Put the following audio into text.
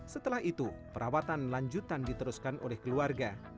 setelah itu perawatan lanjutan diteruskan oleh keluarga